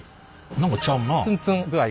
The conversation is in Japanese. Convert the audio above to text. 何かちゃうなあ。